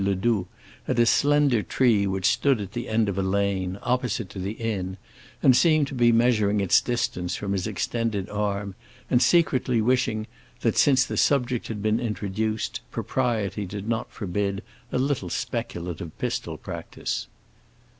Ledoux, at a slender tree which stood at the end of a lane, opposite to the inn, and seemed to be measuring its distance from his extended arm and secretly wishing that, since the subject had been introduced, propriety did not forbid a little speculative pistol practice.